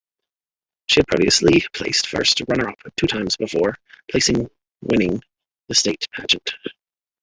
She had previously placed first runner-up two times before placing winning the state pageant.